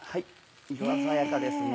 色鮮やかですね。